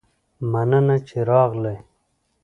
مننه چې راغلي